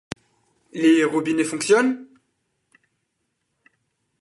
les robinets fonctionnent ?